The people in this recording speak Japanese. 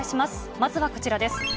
まずはこちらです。